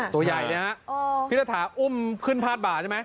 ตัวใหญ่เนี่ยครับพี่ระถาอุ้มขึ้นพาดบ่าใช่ไหม